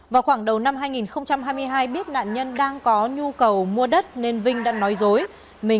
vào khoảng đầu năm hai nghìn hai mươi hai biết nạn nhân đang có nhu cầu mua đất nên vinh đã nói dối